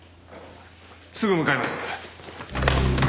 すぐ向かいます。